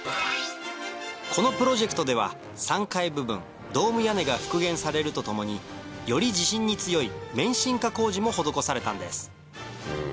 このプロジェクトでは３階部分ドーム屋根が復元されるとともにより地震に強い免震化工事も施されたんです